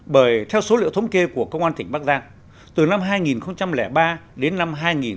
bởi theo số liệu thống kê của công an tỉnh bắc giang từ năm hai nghìn ba đến năm hai nghìn một mươi